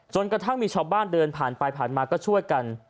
กระทั่งมีชาวบ้านเดินผ่านไปผ่านมาก็ช่วยกัน